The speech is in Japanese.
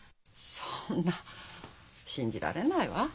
そんな信じられないわ。